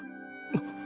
あっ。